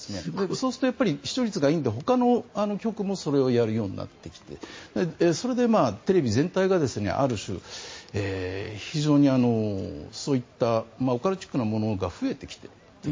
そうすると視聴率がいいのでほかの局もそれをやるようになってきてそれでテレビ全体がある種、非常にそういったオカルトチックなものが増えてきていると。